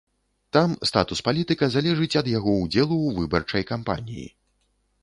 Там статус палітыка залежыць ад яго ўдзелу ў выбарчай кампаніі.